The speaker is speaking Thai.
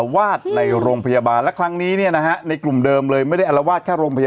สามารถบดดำต่าย